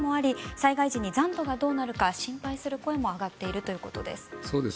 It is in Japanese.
災害時に残土がどうなるか心配する声も上がっているということです。